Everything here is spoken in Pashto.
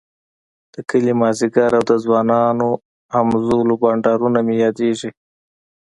د کلي ماذيګر او د ځوانانو همزولو بنډارونه مي ياديږی